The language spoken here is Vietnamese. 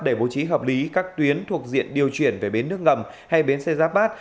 để bố trí hợp lý các tuyến thuộc diện điều chuyển về bến nước ngầm hay bến xe giáp bát